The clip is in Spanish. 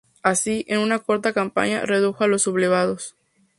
Así, en una corta campaña, redujo a los sublevados.